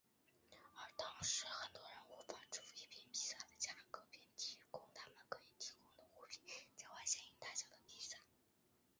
而当时很多人无法支付一片披萨的价格便提供他们可以提供的物品交换相应大小的披萨。